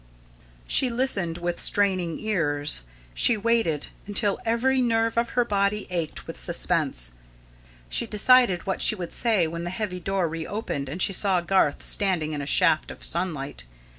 She listened, with straining ears. She waited, until every nerve of her body ached with suspense. She decided what she would say when the heavy door reopened and she saw Garth standing in a shaft of sunlight.